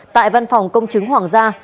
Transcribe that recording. tại văn phòng công chứng hoàng gia